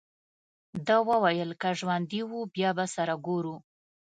ده وویل: که ژوندي وو، بیا به سره ګورو.